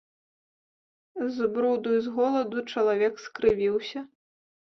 З бруду і з голаду чалавек скрывіўся.